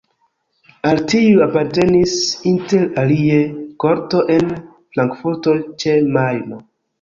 Al tiuj apartenis inter alie korto en Frankfurto ĉe Majno.